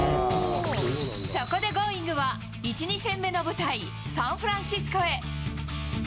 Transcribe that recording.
そこでＧｏｉｎｇは、１、２戦目の舞台、サンフランシスコへ。